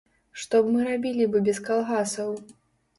Што б мы рабілі бы без калгасаў?